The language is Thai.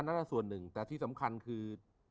นั่นส่วนหนึ่งแต่ที่สำคัญคือ